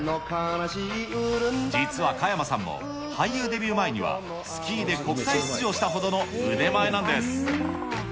実は加山さんも、俳優デビュー前にはスキーで国体出場したほどの腕前なんです。